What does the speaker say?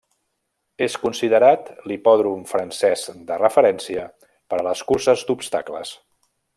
És considerat l'hipòdrom francès de referència per a les curses d'obstacles.